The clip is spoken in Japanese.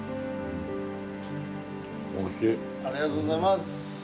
ありがとうございます。